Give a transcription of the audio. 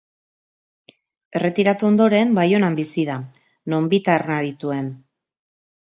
Erretiratu ondoren, Baionan bizi da, non bi taberna dituen.